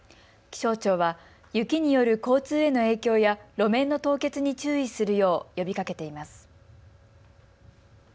気象庁は雪による交通への影響や路面の凍結に注意するよう呼びかけています。